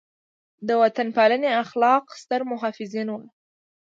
د وطن پالنې اخلاق ستر محافظین وو.